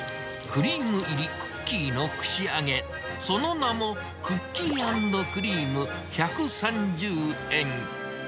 クリーム入りクッキーの串揚げ、その名も、クッキー＆クリーム１３０円。